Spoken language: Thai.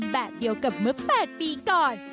แบบเดียวกับเมื่อ๘ปีก่อน